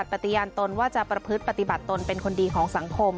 ปฏิญาณตนว่าจะประพฤติปฏิบัติตนเป็นคนดีของสังคม